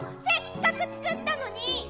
せっかくつくったのに！